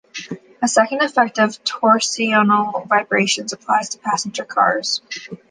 A second effect of torsional vibrations applies to passenger cars.